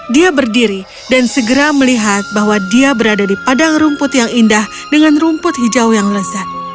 dia berdiri dan segera melihat bahwa dia berada di padang rumput yang indah dengan rumput hijau yang lezat